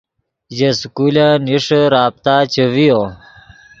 ژے سکولن نیݰے رابطہ چے ڤیو